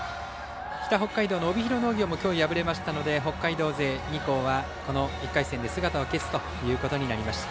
北北海道の帯広農業もきょう敗れましたので北海道勢の２校はこの１回戦で姿を消すことになりました。